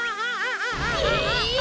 えっ！？